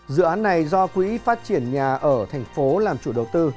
dự án này do quỹ phát triển nhà ở tp hcm làm chủ đầu tư